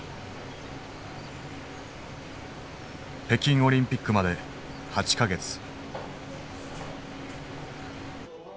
北京オリンピックまで８か月。